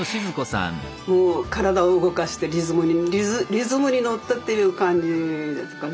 もう体を動かしてリズムに乗ってっていう感じですかね。